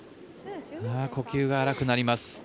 呼吸が荒くなります。